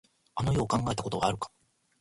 あの世を考えたことはあるか。